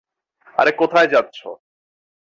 আরে কোথায় যাচ্ছ?